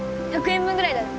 １００円分ぐらいだよ。